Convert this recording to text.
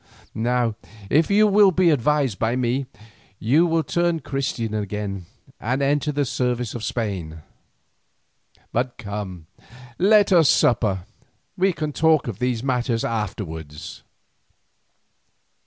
Now, if you will be advised by me, you will turn Christian again and enter the service of Spain. But come, let us to supper, we can talk of these matters afterwards."